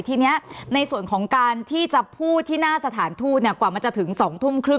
ทีนี้ในส่วนของการที่จะพูดที่หน้าสถานทูตกว่ามันจะถึง๒ทุ่มครึ่ง